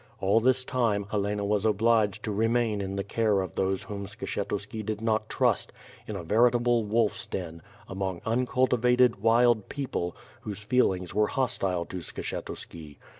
All this time, Helena was obliged to remain in the care of those whom Skshetuski did not trust, in a veritable wolf's den, among uncultivated, wild people, whose feelings w^re hostile to Skshetuski.